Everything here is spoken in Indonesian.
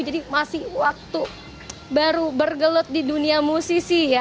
jadi masih waktu baru bergelut di dunia musisi ya